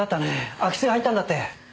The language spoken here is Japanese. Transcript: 空き巣が入ったんだって？